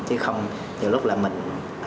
chứ không nhiều lúc là mình